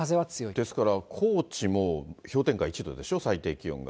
ですから高知も氷点下１度でしょ、最低気温が。